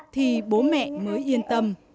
thì bố mẹ mới yên tâm